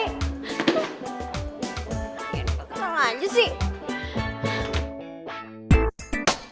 ini kekenangan aja sih